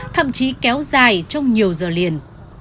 thậm chí kéo dài trong nhiều giờ liền